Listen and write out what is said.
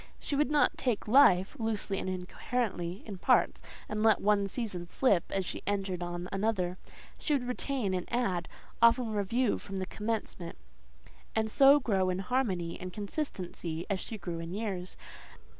She would not take life, loosely and incoherently, in parts, and let one season slip as she entered on another: she would retain and add; often review from the commencement, and so grow in harmony and consistency as she grew in years.